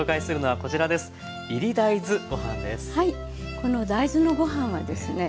はいこの大豆のご飯はですね